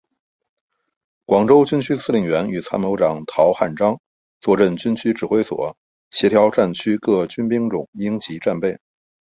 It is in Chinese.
广州军区司令员与参谋长陶汉章坐镇军区指挥所协调战区个军兵种应急战备。